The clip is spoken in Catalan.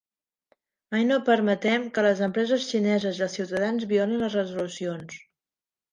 Mai no permetem que les empreses xineses i els ciutadans violin les resolucions.